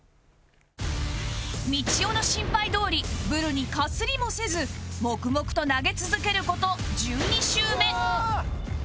みちおの心配どおりブルにかすりもせず黙々と投げ続ける事１２周目